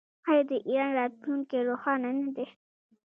آیا د ایران راتلونکی روښانه نه دی؟